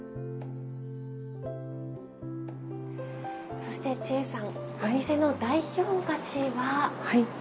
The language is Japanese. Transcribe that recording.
そして千恵さんお店の代表菓子は？